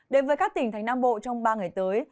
đến với các tỉnh thành nam bộ trong ba ngày tới